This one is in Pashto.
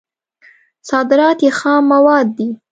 صادرات یې خام مواد دي.